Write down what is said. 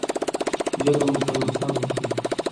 ژبه مو پرمختګ وکړي.